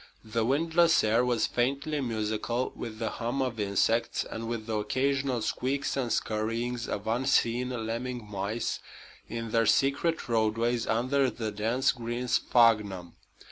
The windless air was faintly musical with the hum of insects and with the occasional squeaks and scurryings of unseen lemming mice in their secret roadways under the dense green sphagnum.